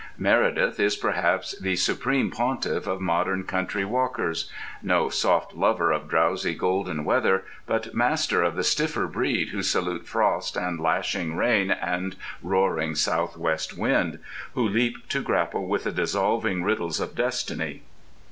Meredith is perhaps the Supreme Pontiff of modern country walkers: no soft lover of drowsy golden weather, but master of the stiffer breed who salute frost and lashing rain and roaring southwest wind, who leap to grapple with the dissolving riddles of destiny.